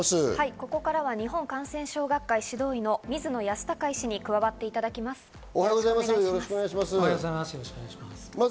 ここからは日本感染症学会・指導医の水野泰孝医師に加わっていただきます。